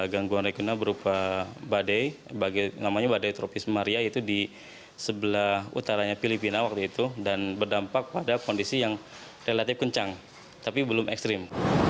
gangguan regional berupa badai namanya badai tropis maria itu di sebelah utaranya filipina waktu itu dan berdampak pada kondisi yang relatif kencang tapi belum ekstrim